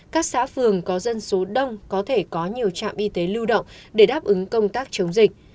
các xã phường có dân số đông có thể có nhiều trạm y tế lưu động để đáp ứng công tác chống dịch